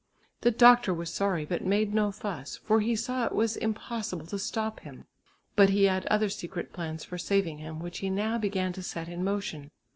The doctor was sorry but made no fuss, for he saw it was impossible to stop him. But he had other secret plans for saving him which he now began to set in motion.